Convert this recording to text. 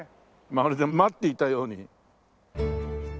まるで待っていたように。